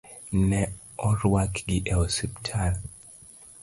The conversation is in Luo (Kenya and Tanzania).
Ne orwakgi e osiptal.